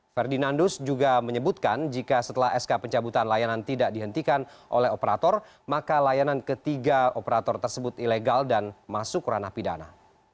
ferdinandus juga menyebutkan jika setelah sk pencabutan layanan tidak dihentikan oleh operator maka layanan ketiga operator tersebut ilegal dan masuk ranah pidana